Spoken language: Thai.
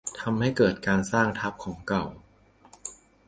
ทำให้เกิดการสร้างทับของเก่า